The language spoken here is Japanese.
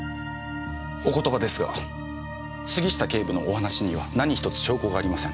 お言葉ですが杉下警部のお話には何一つ証拠がありません。